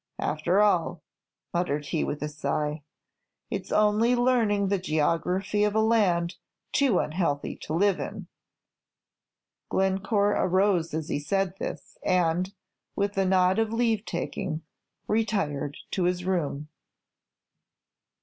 After all," muttered he, with a sigh, "it 's only learning the geography of a land too unhealthy to live in." Glencore arose as he said this, and, with a nod of leave taking, retired to his room.